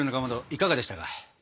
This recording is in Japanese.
いかがでしたか？